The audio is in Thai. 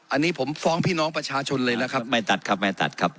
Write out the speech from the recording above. อันนี้ผมฟ้องพี่น้องประชาชนเลยนะครับไม่ตัดครับไม่ตัดครับ